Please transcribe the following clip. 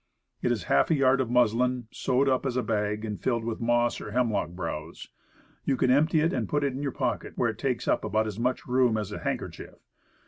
It is half a yard of muslin, sewed up as a bag, and filled with moss or hemlock browse. You can empty it and put it in your pocket, where it takes up about as much room as a handkerchief.